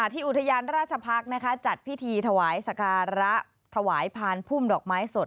ที่อุทยานราชพักษ์จัดพิธีถวายสการะถวายพานพุ่มดอกไม้สด